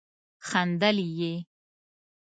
خندل يې.